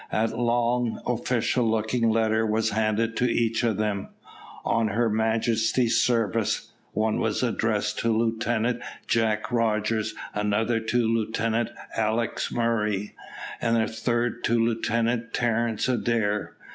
A long, official looking letter was handed to each of them, "On Her Majesty's Service." One was addressed to Lieutenant Jack Rogers, another to Lieutenant Alick Murray, and a third to Lieutenant Terence Adair.